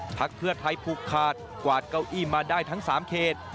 พักเพื่อไทยผูกขาดกวาดเก้าอี้มาได้ทั้ง๓เขต